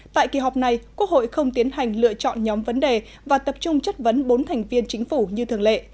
tại kỳ họp này quốc hội không tiến hành lựa chọn nhóm vấn đề và tập trung chất vấn bốn thành viên chính phủ như thường lệ